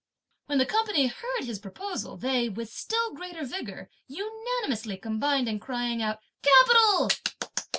When the company heard his proposal, they, with still greater vigour, unanimously combined in crying out "Capital!"